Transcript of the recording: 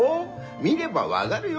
見れば分がるよ